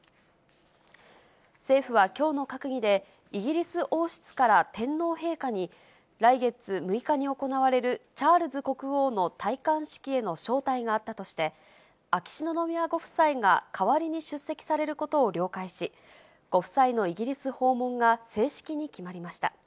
政府はきょうの閣議で、イギリス王室から天皇陛下に、来月６日に行われるチャールズ国王の戴冠式への招待があったとして、秋篠宮ご夫妻が代わりに出席されることを了解し、ご夫妻のイギリス訪問が正式に決まりました。